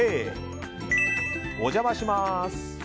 Ａ、お邪魔します